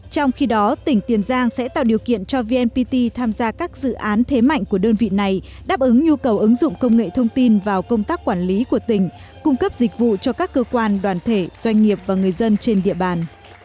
trong khi đó tỉnh tiền giang sẽ tạo điều kiện cho vnpt tham gia các dự án thế mạnh của đơn vị này đáp ứng nhu cầu ứng dụng công nghệ thông tin vào công tác quản lý của tỉnh cung cấp dịch vụ cho các cơ quan đoàn thể doanh nghiệp và người dân trên địa bàn